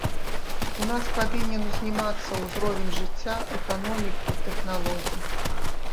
У нас павінен узнімацца ўзровень жыцця, эканомікі, тэхналогій.